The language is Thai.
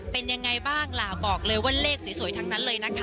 เป็นยังไงบ้างล่ะบอกเลยว่าเลขสวยทั้งนั้นเลยนะคะ